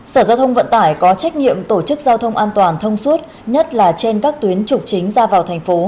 sở giao thông vận tải có trách nhiệm tổ chức giao thông an toàn thông suốt nhất là trên các tuyến trục chính ra vào thành phố